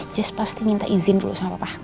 just pasti minta izin dulu sama papa